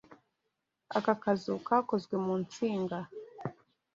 Aka kazu kakozwe mu nsinga.